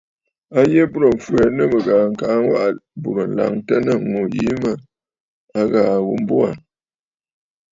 A yî m̀burə̀ m̀fwɛɛ nɨ mɨ̀ghàà kaa waʼà bùrə̀ laŋtə nɨ̂ ŋû yìi a ghàà ghu mbo aà.